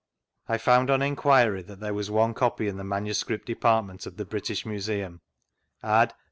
I found on enquiry that there was <Mie copy in the Manuscript Department of the British Museum (Add.